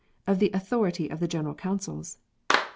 Of the Authority of General Councils.